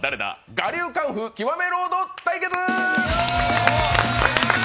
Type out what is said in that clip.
「我流功夫極めロード」対決！」